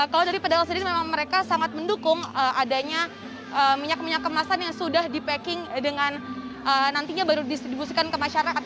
kalau dari pedagang sendiri memang mereka sangat mendukung adanya minyak minyak kemasan yang sudah di packing dengan nantinya baru distribusikan ke masyarakat